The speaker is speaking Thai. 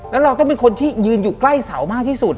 แล้วเราต้องเป็นคนที่ยืนอยู่ใกล้เสามากที่สุด